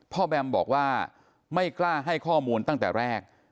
แบมบอกว่าไม่กล้าให้ข้อมูลตั้งแต่แรก